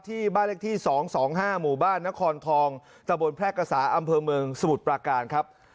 ที่บ้านเลขที่๒๒๕หมู่บ้านนครทองตะบนแพร่กษาอำเภอเมืองสมุทรปราการครับ